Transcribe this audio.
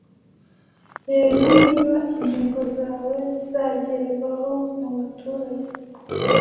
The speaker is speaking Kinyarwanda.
Reba niba intego zawe zagerwahomubaturage